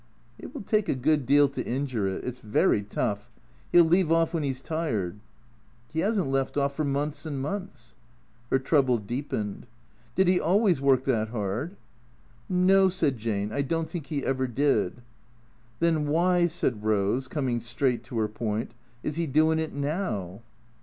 " It will take a good deal to injure it. It 's very tough. He '11 leave off when he 's tired." " He has n't left off for months and months." Her trouble deepened. " Did 'e always work that 'ard ?"" No," said Jane. " I don't think he ever did." " Then w'y," said Rose, coming straight to her point, " is he doin' it now